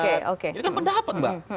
ini kan pendapat mbak